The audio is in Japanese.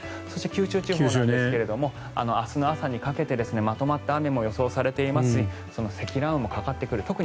そして、九州地方なんですが明日の朝にかけてまとまった雨も予想されていまして積乱雲もかかってくる。